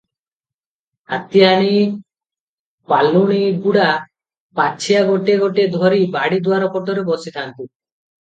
ହାଡିଆଣୀ, ପାଲୁଣୀଗୁଡା ପାଛିଆ ଗୋଟିଏ ଗୋଟିଏ ଧରି ବାଡ଼ି ଦୁଆର ପଟରେ ବସିଥାନ୍ତି ।